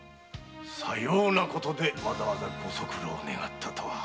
さようなことでわざわざご足労願ったとは。